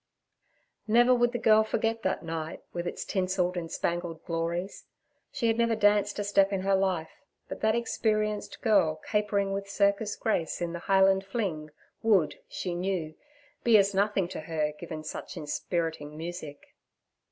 Never would the girl forget that night, with its tinselled and spangled glories. She had never danced a step in her life, but that experienced girl capering with circus grace in the Highland fling would, she knew, be as nothing to her given such inspiriting music.